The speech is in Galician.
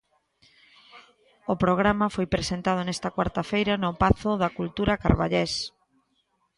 O programa foi presentado nesta cuarta feita no Pazo da Cultura carballés.